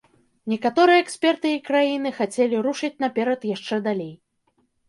Некаторыя эксперты і краіны хацелі рушыць наперад яшчэ далей.